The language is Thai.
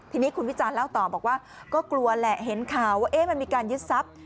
ทีนี้คุณวิจารณเล่าต่อบอกว่าก็กลัวแหละเห็นข่าวว่ามันมีการยึดทรัพย์